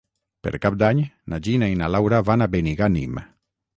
Per Cap d'Any na Gina i na Laura van a Benigànim.